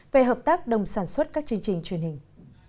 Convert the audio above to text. về hợp tác đồng sản xuất các chương trình truyền hình